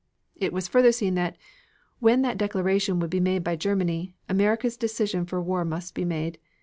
It was further seen that when that declaration would be made by Germany, America's decision for war must be made.